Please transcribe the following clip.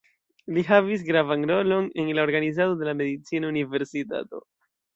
Li havis gravan rolon en la organizado de la medicina universitato.